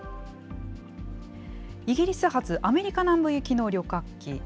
イギリス発アメリカ南部行きの旅客機。